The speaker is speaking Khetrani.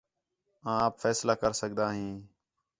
آں آپ فیصلہ کر سڳدا ھیں